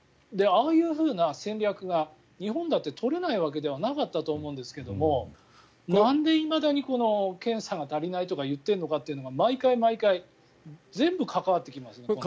ああいうふうな戦略が日本だって取れないわけではなかったと思うんですがなんでいまだに検査が足りないとか言っているのかって毎回毎回全部関わってきますよね。